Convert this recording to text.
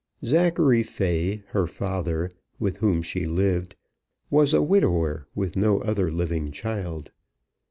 Zachary Fay, her father, with whom she lived, was a widower with no other living child.